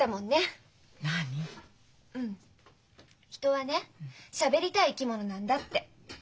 「人はねしゃべりたい生き物なんだ」って。